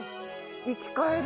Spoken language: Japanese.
生き返る。